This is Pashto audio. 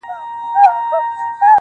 o وجود غواړمه چي زغم د نسو راوړي,